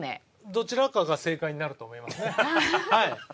どちらかが正解になると思いますねはい。